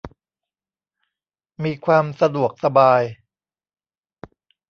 มีความสะดวกสบาย